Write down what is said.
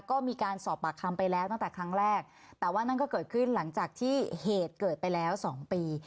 ก็มีการสอบปากคำไปแล้วตั้งแต่ครั้งแรกแต่ว่านั่นก็เกิดขึ้นหลังจากที่เหตุเกิดไปแล้วสองปี